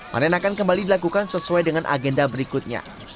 panen akan kembali dilakukan sesuai dengan agenda berikutnya